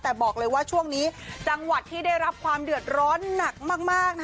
แต่บอกเลยว่าช่วงนี้จังหวัดที่ได้รับความเดือดร้อนหนักมาก